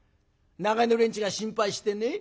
長屋の連中が心配してね。